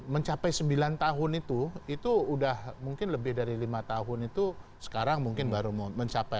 mencapai sembilan tahun itu itu udah mungkin lebih dari lima tahun itu sekarang mungkin baru mau mencapai